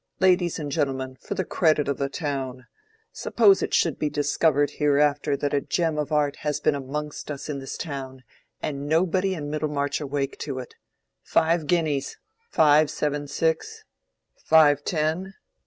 Ladies and gentlemen, for the credit of the town! Suppose it should be discovered hereafter that a gem of art has been amongst us in this town, and nobody in Middlemarch awake to it. Five guineas—five seven six—five ten.